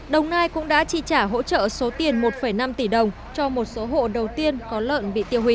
đồng nai cũng đã chi trả hỗ trợ số tiền một năm tỷ đồng cho một số hộ đầu tiên có lợn bị tiêu hủy